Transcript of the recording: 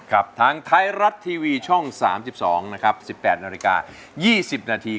ทางไทยรัฐทีวีช่อง๓๒นะครับ๑๘นาฬิกา๒๐นาที